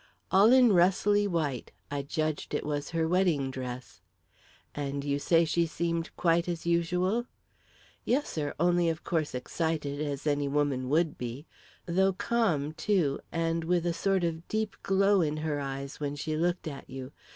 "All in rustly white. I judged it was her wedding dress." "And you say she seemed quite as usual?" "Yes, sir; only, of course, excited, as any woman would be though calm, too, and with a sort of deep glow in her eyes when she looked at you.